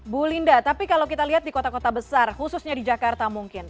bu linda tapi kalau kita lihat di kota kota besar khususnya di jakarta mungkin